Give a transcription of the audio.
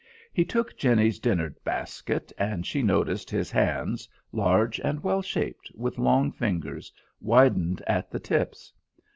He took jenny's dinner basket, and she noticed his hands, large and well shaped, with long fingers, widened at the tips.